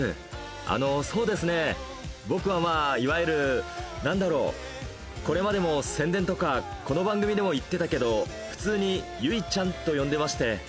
あの、そうですね、僕はまあ、いわゆるなんだろう、これまでも宣伝とかこの番組でも言ってたけど、普通に結衣ちゃんと呼んでまして。